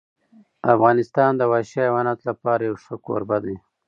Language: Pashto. افغانستان د وحشي حیواناتو لپاره یو ښه کوربه دی.